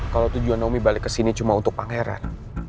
kalo tujuan naomi balik kesini cuma untuk pangeran